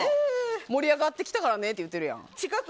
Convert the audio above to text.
盛り上がってきてるからって言ってるやん。